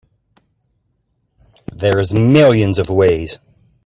There's millions of ways.